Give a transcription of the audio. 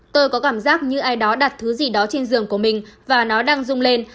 tôi có cảm giác như ai đó đặt thứ gì đó trên giường của mình và nó đang rung lên